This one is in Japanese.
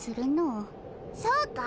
そうか？